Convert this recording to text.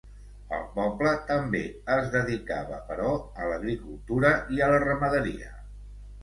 El poble també es dedicava però a l'agricultura i a la ramaderia.